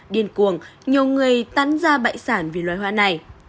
điên cuồng nhiều người tán ra bại sản vì loài hoa này